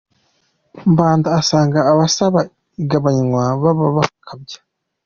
Mbanda asanga abasaba igabanywa baba bakabya.